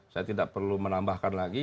saya tidak perlu menambahkan lagi